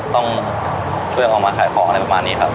ต้องช่วยออกมาขายของอะไรประมาณนี้ครับ